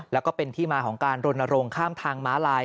แล้วก็เป็นที่มาของการรณรงค์ข้ามทางม้าลาย